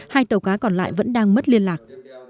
hai tàu cá còn lại vẫn đang mất liên lạc